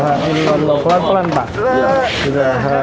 hai bismillahirrohmanirrohim la ilaha